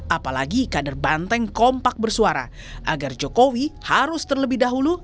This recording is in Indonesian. apalagi kader banteng kompak bersuara agar jokowi harus terlebih dahulu